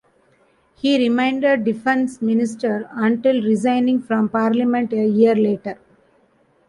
He remained Defence Minister, until resigning from parliament a year later.